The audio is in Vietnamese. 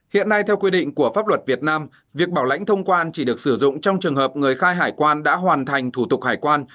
hiện nay theo quy định của pháp luật việt nam việc bảo lãnh thông quan chỉ được sử dụng trong trường hợp người khai hải quan đã hoàn thành thủ tục hải quan